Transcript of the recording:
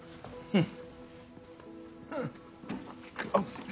うん。